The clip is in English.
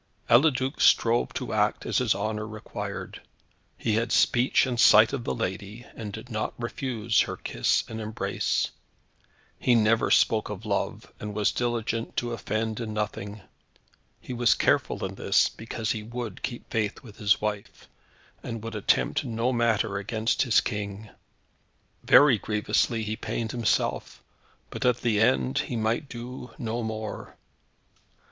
Eliduc strove to act as his honour required. He had speech and sight of the lady, and did not refuse her kiss and embrace. He never spoke of love, and was diligent to offend in nothing. He was careful in this, because he would keep faith with his wife, and would attempt no matter against his King. Very grievously he pained himself, but at the end he might do no more.